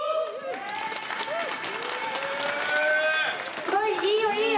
すごいいいよいいよ！